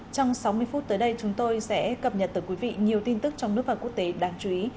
trong sáu mươi phút tới đây chúng tôi sẽ cập nhật tới quý vị nhiều tin tức trong nước và quốc tế đáng chú ý